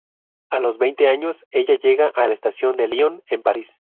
A los veinte años ella llega a la estación de Lyon, en París.